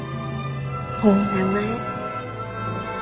いい名前。